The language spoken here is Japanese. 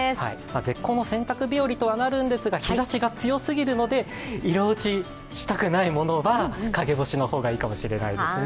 絶好の洗濯日和とはなるんですが、日ざしが強すぎるので色落ちしたくないものは陰干しの方がいいかもしれないですね。